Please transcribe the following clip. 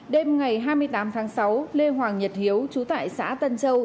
đêm ngày hai mươi tám tháng sáu lê hoàng nhật hiếu trú tại xã tân châu